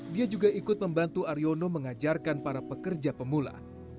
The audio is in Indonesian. dia juga ikut membantu aryono mengajarkan para pekerja pemula